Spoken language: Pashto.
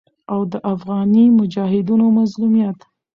او د افغاني مجاهدينو مظلوميت